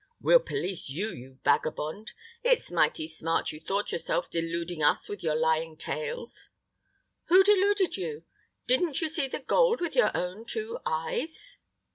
"We'll police you, you vagabond. It's mighty smart you thought yourself, deluding us with your lying tales." "Who deluded you? Didn't you see the gold with your own two eyes?"